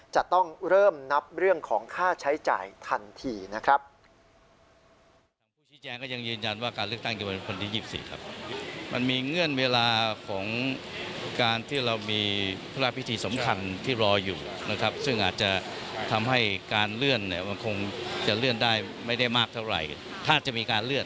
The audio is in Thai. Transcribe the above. จะต้องเริ่มนับเรื่องของค่าใช้จ่ายทันทีนะครับ